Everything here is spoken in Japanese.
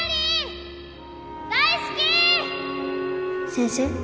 先生。